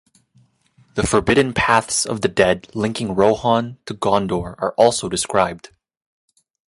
The forbidden Paths of the Dead linking Rohan to Gondor are also described.